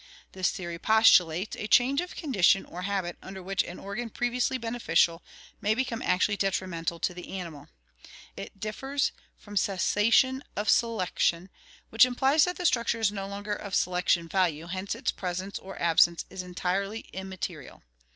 This theory postulates a change of condition or habit under which an organ previously beneficial may become actually detrimental to the animal. It differs from cessation of selection, which implies that the structure is no longer of selection value, hence its presence or absence is entirely immaterial.